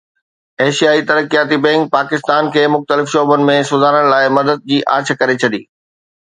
ايشيائي ترقياتي بئنڪ پاڪستان کي مختلف شعبن ۾ سڌارن لاءِ مدد جي آڇ ڪري ڇڏي